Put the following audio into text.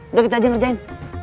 udah kita aja ngerjain